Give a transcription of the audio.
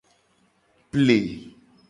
Ple.